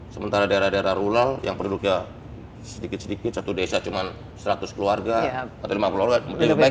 sementara daerah daerah rural yang penduduknya sedikit sedikit satu desa cuma seratus keluarga atau lima puluh keluarga lebih baik pakai satelit